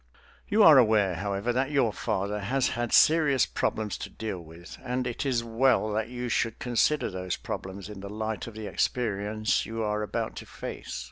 You are aware, however, that your father has had serious problems to deal with, and it is well that you should consider those problems in the light of the experiences you are about to face.